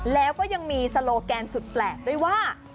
แล้วก็ยังมีโซโลแกนสุดแปลกด้วยว่า